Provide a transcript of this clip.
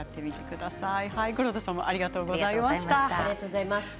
黒田さんありがとうございました。